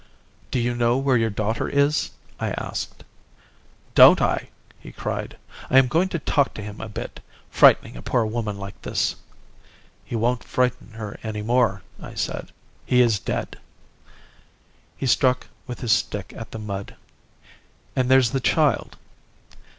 "'Do you know where your daughter is?' I asked. "'Don't I!' he cried. 'I am going to talk to him a bit. Frightening a poor woman like this.' "'He won't frighten her any more,' I said. 'He is dead.' "He struck with his stick at the mud. "'And there's the child.